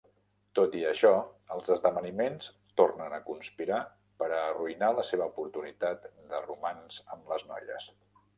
Tot i això, els esdeveniments tornen a conspirar per a arruïnar la seva oportunitat de romanç amb les noies.